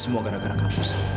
semua gara gara kamu aksan